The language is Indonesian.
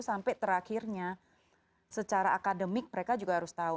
sampai terakhirnya secara akademik mereka juga harus tahu